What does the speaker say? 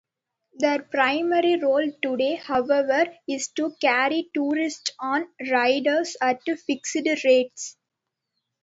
Their primary role today, however, is to carry tourists on rides at fixed rates.